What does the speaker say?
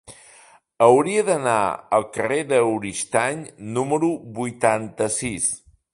Hauria d'anar al carrer d'Oristany número vuitanta-sis.